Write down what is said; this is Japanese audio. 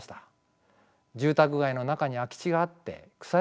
住宅街の中に空き地があって草野球をやりました。